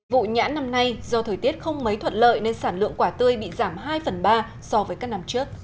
vụ nhãn năm nay do thời tiết không mấy thuận lợi nên sản lượng quả tươi bị giảm hai phần ba so với các năm trước